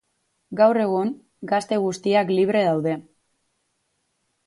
Gaur egun, gazte guztiak libre daude.